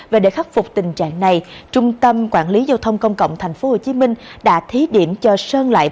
và để khắc phục tình trạng này trung tâm quản lý giao thông công cộng tp hcm đã thí điểm cho sơn lại